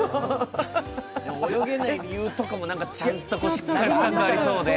泳げない理由とかもちゃんとしっかりありそうで。